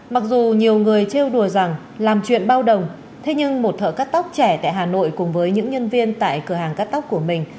mặc dù nhiều người treo đùa rằng làm chuyện bao đồng thế nhưng một thợ cắt tóc trẻ tại hà nội cùng với những nhân viên tại cửa hàng cắt tóc của mình